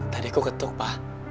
tadi aku ketuk pa